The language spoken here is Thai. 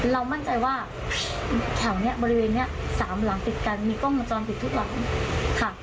เรามั่นใจว่าแถวนี้บริเวณนี้๓หลังติดกันมีกล้องวงจรปิดทุกหลังค่ะ